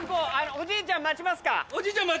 おじいちゃん待ちます。